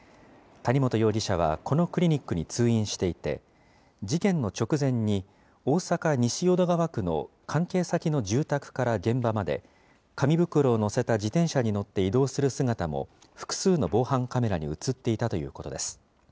谷本容疑者はこのクリニックに通院していて、事件の直前に大阪・西淀川区の関係先の住宅から現場まで、紙袋を載せた自転車に乗って移動する姿も、複数の防犯カメラに写っていたということです。